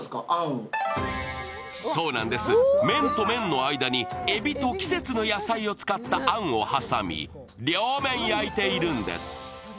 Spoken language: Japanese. そうなんです、麺と麺の間にえびと季節の野菜を使ったあんを挟み、両面焼いているんです。